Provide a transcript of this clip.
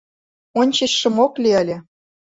Ончычшым ок лий ыле.